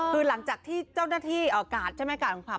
คือหลังจากที่เจ้าหน้าที่การ์ดใช่มั้ยการ์ดของพรับ